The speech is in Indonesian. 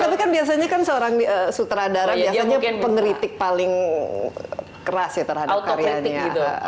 tapi kan biasanya kan seorang sutradara biasanya pengeritik paling keras ya terhadap karyanya